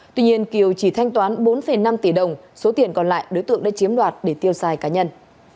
tuy nhiên kiều chỉ thanh toán bốn năm tỷ đồng số tiền còn lại đối tượng đã chiếm đoạt để tiêu xài cá nhân